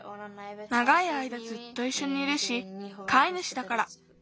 ながいあいだずっといっしょにいるしかいぬしだから。